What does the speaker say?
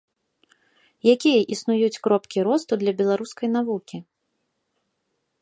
Якія існуюць кропкі росту для беларускай навукі?